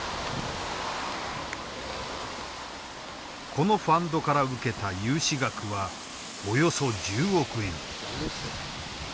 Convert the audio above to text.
このファンドから受けた融資額はおよそ１０億円。